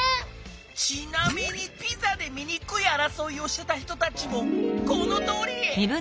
ちなみにピザでみにくいあらそいをしてた人たちもこのとおり！